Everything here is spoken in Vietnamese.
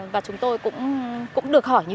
và chúng tôi cũng được cảm nhận